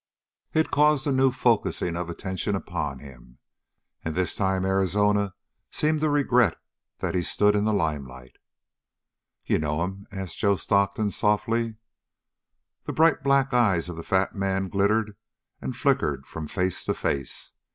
It caused a new focusing of attention upon him, and this time Arizona seemed to regret that he stood in the limelight. "You know him?" asked Joe Stockton softly. The bright black eyes of the fat man glittered and flickered from face to face.